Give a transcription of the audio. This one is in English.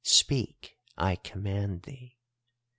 Speak, I command thee.